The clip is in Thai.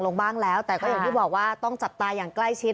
ลงบ้างแล้วแต่ก็อย่างที่บอกว่าต้องจับตาอย่างใกล้ชิด